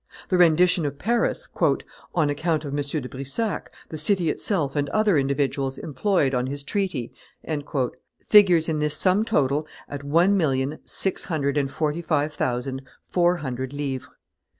The rendition of Paris, "on account of M. de Brissac, the city itself and other individuals employed on his treaty," figures in this sum total at one million, six hundred and forty five thousand, four hundred livres.